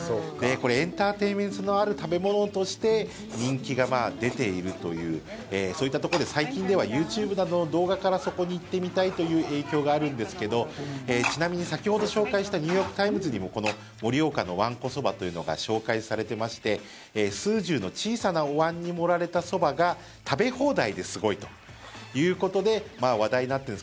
エンターテインメント性のある食べ物として人気が出ているというそういったところで最近ではＹｏｕＴｕｂｅなどの動画からそこに行ってみたいという影響があるんですけどちなみに先ほど紹介したニューヨーク・タイムズにもこの盛岡のわんこそばというのが紹介されてまして数十の小さなおわんに盛られたそばが食べ放題ですごいということで話題になってるんです。